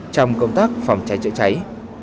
trong công tác phòng cháy chữa cháy